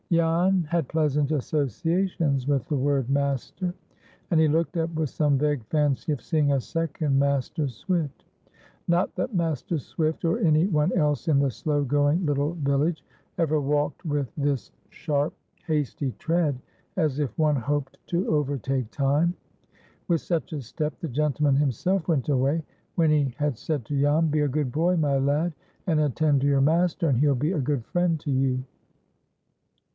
Jan had pleasant associations with the word "master," and he looked up with some vague fancy of seeing a second Master Swift. Not that Master Swift, or any one else in the slow going little village, ever walked with this sharp, hasty tread, as if one hoped to overtake time! With such a step the gentleman himself went away, when he had said to Jan, "Be a good boy, my lad, and attend to your master, and he'll be a good friend to you."